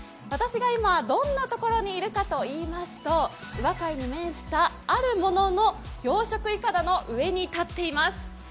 私が今、どんなところにいるかといいますと、宇和海に面した、あるものの養殖いかだの上に立っています。